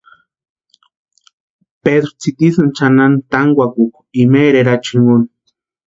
Pedru tsitisïnti chʼanani tankwakʼukwa imeeri erachini jinkoni.